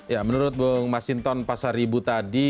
ya menurut mas hinton pasar ibu tadi